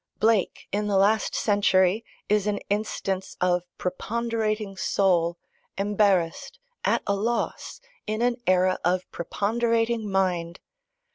Blake, in the last century, is an instance of preponderating soul, embarrassed, at a loss, in an era of preponderating mind.